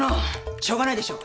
しょうがないでしょ。